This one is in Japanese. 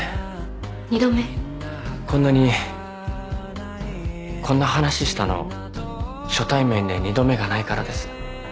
こんなにこんな話したの初対面で二度目がないからです。